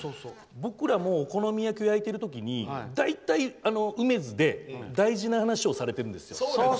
僕らもお好み焼きを焼いている時に大体うめづで、大事な話をされてるんですよ。